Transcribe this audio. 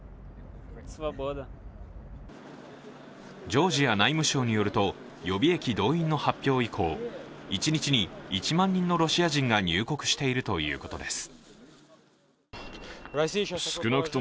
ジョージア内務省によると予備役動員の発表以降、一日に１万人のロシア人が入国しているということです。